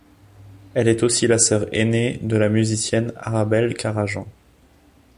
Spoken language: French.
Elle est aussi la sœur aînée de la musicienne Arabel Karajan.